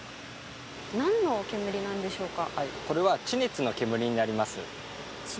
なんの煙なんでしょうか。